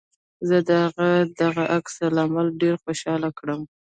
زه د هغه دغه عکس العمل ډېر خوشحاله کړم